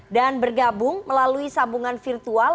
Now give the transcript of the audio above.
dan bergabung melalui sambungan virtual